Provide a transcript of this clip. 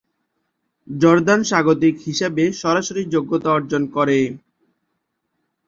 Jordan স্বাগতিক হিসাবে সরাসরি যোগ্যতা অর্জন করে।